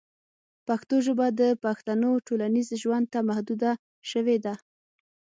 پښتو ژبه د پښتنو ټولنیز ژوند ته محدوده شوې ده.